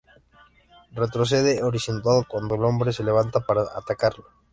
Retrocede horrorizado cuando el hombre se levanta para atacarlo.